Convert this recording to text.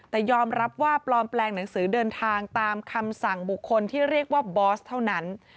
แต่ยอมรับว่าปลอมแปลงหนังสือเดินทางตามคำสั่งบุคคลที่เรียกว่าบอสเท่านั้น